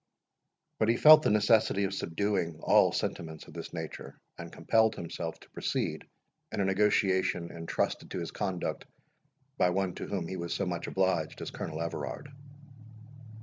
But he felt the necessity of subduing all sentiments of this nature, and compelled himself to proceed in a negotiation intrusted to his conduct by one to whom he was so much obliged as Colonel Everard.